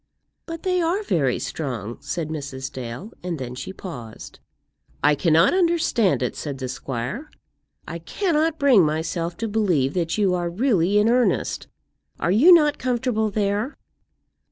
"But they are very strong," said Mrs. Dale; and then she paused. "I cannot understand it," said the squire. "I cannot bring myself to believe that you are really in earnest. Are you not comfortable there?"